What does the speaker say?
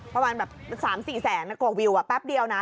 ประมาณแบบ๓๔แสนกว่าวิวแป๊บเดียวนะ